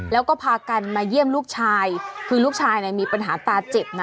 แล้วก็พากันมาเยี่ยมลูกชายคือลูกชายมีปัญหาตาเจ็บนะ